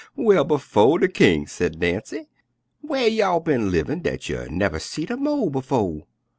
"Well, befo' de king!" said Nancy, "whar y'all bin livin' dat you nuver seed a mole befo'?